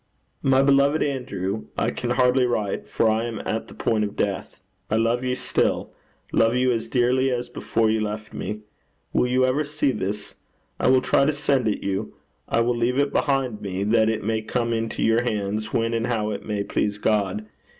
'My beloved Andrew, I can hardly write, for I am at the point of death. I love you still love you as dearly as before you left me. Will you ever see this? I will try to send it to you. I will leave it behind me, that it may come into your hands when and how it may please God.